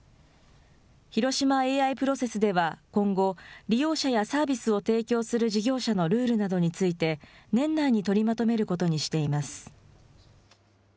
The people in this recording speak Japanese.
広島ＡＩプロセスでは今後、利用者やサービスを提供する事業者のルールなどについて、年内に取りまとめることにしています。